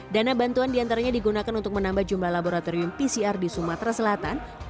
dana bantuan diantaranya digunakan untuk menambah jumlah laboratorium pcr di sumatera selatan